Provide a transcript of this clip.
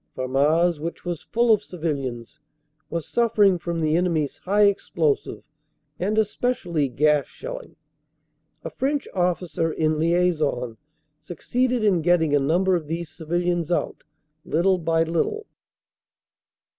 Famars, which was full of civilians, was suffering from the enemy s high explosive and especially gas shelling. A French officer in liason succeeded in getting a number of these civilians out, little by little.